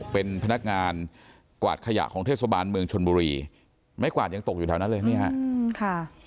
เป็นพนักงานกวาดขยะของเทศบาลเมืองชนบุรีไม้กวาดยังตกอยู่แถวนั้นเลยนี่ฮะค่ะ